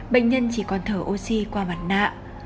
bệnh nhân chỉ còn thở oxy qua mặt nạ